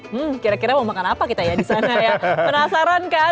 hmm kira kira mau makan apa kita ya di sana ya penasaran kan